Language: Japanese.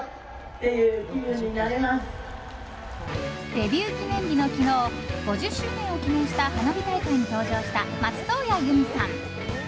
デビュー記念日の昨日５０周年を記念した花火大会に登場した松任谷由実さん。